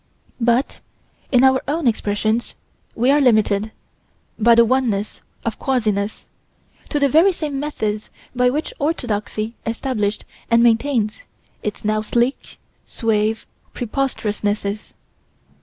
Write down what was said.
But, in our own expressions, we are limited, by the oneness of quasiness, to the very same methods by which orthodoxy established and maintains its now sleek, suave preposterousnesses.